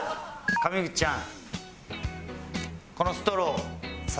上口ちゃん。